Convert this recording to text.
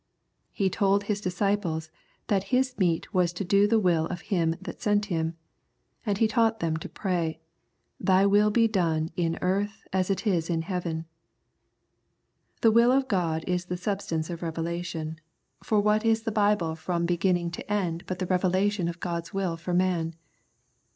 He told His disciples that His meat was to do the will of Him that sent Him ; and He taught them to pray, " Thy will be done in earth as it is in heaven." The will of God is the substance of revelation, for what is the Bible 59 The Prayers of St. Paul from beginning to end but the revelation of God's will for man